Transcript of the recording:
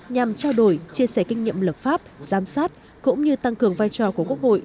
nhằm trao đổi chia sẻ kinh nghiệm lập pháp giám sát cũng như tăng cường vai trò của quốc hội